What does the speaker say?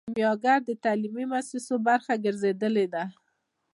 کیمیاګر د تعلیمي موسسو برخه ګرځیدلی دی.